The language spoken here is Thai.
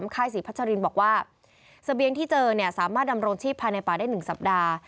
ค่ายศรีพัชรินบอกว่าเสบียงที่เจอเนี่ยสามารถดำรงชีพภายในป่าได้๑สัปดาห์